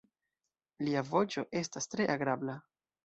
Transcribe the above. Lia voĉo estas tre agrabla.